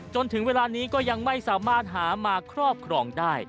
จนถึงเวลานี้ก็ยังไม่สามารถหามาครอบครองได้